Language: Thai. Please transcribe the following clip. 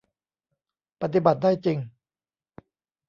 ปฏิบัติได้จริง